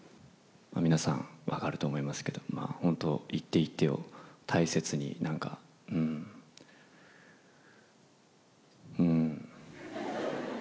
皆さん、分かると思いますけど、まあ本当、一手一手を大切に、なんか、うーん、うーん。